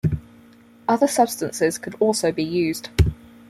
Other substances could also be used.